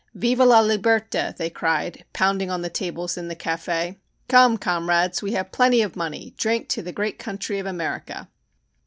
"Viva la liberta!" they cried, pounding the tables in the café. "Come, comrades! We have plenty of money. Drink to the great country of America!"